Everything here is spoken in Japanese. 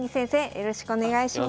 よろしくお願いします。